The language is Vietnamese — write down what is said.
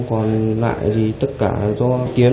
còn lại thì tất cả do tiến